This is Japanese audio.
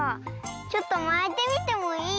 ちょっとまいてみてもいい？